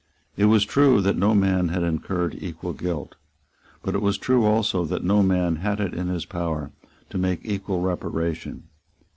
It was true that no man had incurred equal guilt; but it was true also that no man had it in his power to make equal reparation.